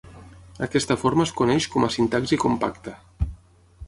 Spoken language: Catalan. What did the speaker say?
Aquesta forma es coneix com a sintaxi compacta.